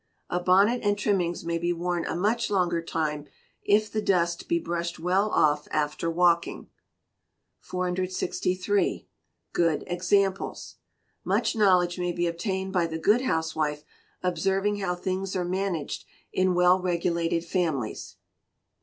A bonnet and trimmings may be worn a much longer time, if the dust be brushed well off after walking. 463. Good Examples. Much knowledge may be obtained by the good housewife observing how things are managed in well regulated families.